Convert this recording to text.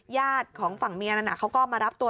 ญาติของฝั่งเมียนั้นเขาก็มารับตัว